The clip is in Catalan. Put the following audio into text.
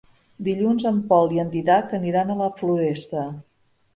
Dilluns en Pol i en Dídac aniran a la Floresta.